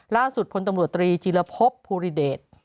พลตำรวจตรีจีรพบภูริเดช